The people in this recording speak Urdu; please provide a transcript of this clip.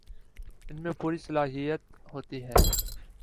ان میں پوری صلاحیت ہوتی ہے